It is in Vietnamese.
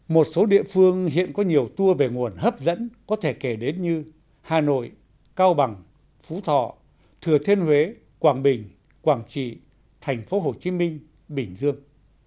một số địa phương hiện có nhiều tour về nguồn hấp dẫn có thể kể đến như hà nội cao bằng phú thọ thừa thiên huế quảng bình quảng trị tp hcm bình dương